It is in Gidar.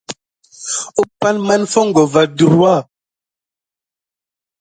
Umpay ne mā foŋko va ɗurwa.